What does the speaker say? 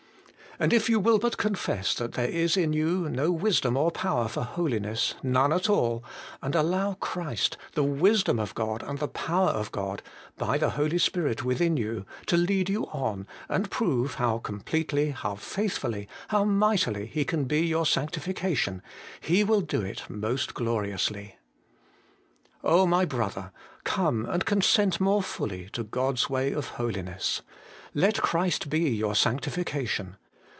And if you will but confess that there is in you no wisdom or power for holiness, none at all, and allow Christ, ' the Wisdom of God and the Power of God/ by the Holy Spirit within you, to lead you on, and prove how completely, how faithfully, how mightily, He can be your sanctification, He will do it most gloriously. my brother ! come and consent more fully to God's way of holiness. Let Christ be your sanctifi IN CHRIST OUR SANCTIFICATION. 199 cation.